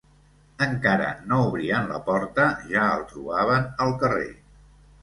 Encara no obrien la porta ja el trobaven al carrer